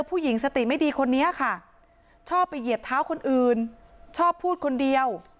ผู้หญิงสติไม่ดีคนนี้ค่ะชอบไปเหยียบเท้าคนอื่นชอบพูดคนเดียว